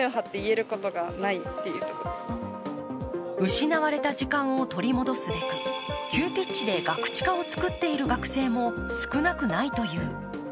失われた時間を取り戻すべく急ピッチでガクチカを作っている学生も少なくないという。